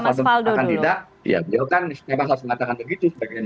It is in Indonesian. kalau nanti mas faldo akan tidak dia kan memang harus mengatakan begitu bagian dari istana